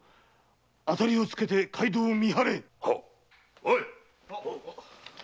当たりをつけて街道を見張れ！